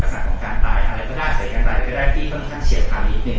ลักษณะของการตายอะไรก็ได้แต่การตายก็ได้ที่ค่อนข้างเฉียบทางอีกหนึ่ง